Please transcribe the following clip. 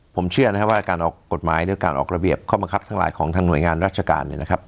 ผมเชื่อนะครับว่าการออกกฎหมายหรือการออกระเบียบข้อบังคับทั้งหลายของทางหน่วยงานราชการ